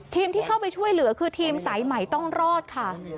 ที่เข้าไปช่วยเหลือคือทีมสายใหม่ต้องรอดค่ะ